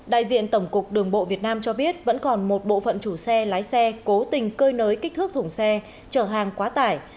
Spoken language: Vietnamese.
đại diện tổng cục đường bộ việt nam cho biết vẫn còn một bộ phận chủ xe lái xe cố tình cơi nới kích thước thùng xe trở hàng quá tải